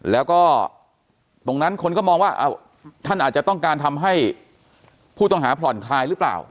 แล้วก็ตรงนั้นคนก็มองว่าท่านอาจจะต้องการทำให้ผู้ต้องหาผ่อนคลายหรือเปล่า